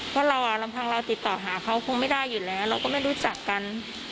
เพราะเราลำพังเราติดต่อหาเขาคงไม่ได้อยู่แล้วเราก็ไม่รู้จักกัน